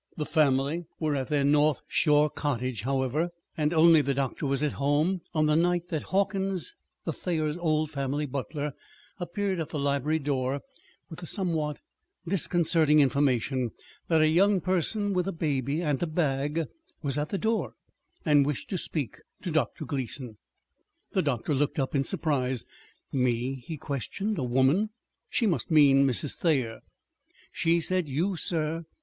The family were at their North Shore cottage, however, and only the doctor was at home on the night that Hawkins, the Thayers' old family butler, appeared at the library door with the somewhat disconcerting information that a young person with a baby and a bag was at the door and wished to speak to Dr. Gleason. The doctor looked up in surprise. "Me?" he questioned. "A woman? She must mean Mrs. Thayer." "She said you, sir.